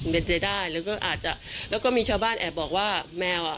เป็นไปได้แล้วก็อาจจะแล้วก็มีชาวบ้านแอบบอกว่าแมวอ่ะ